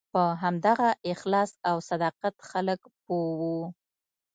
په همدغه اخلاص او صداقت خلک پوه وو.